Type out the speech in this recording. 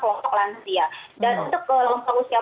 kelompok lansia dan untuk kelompok usia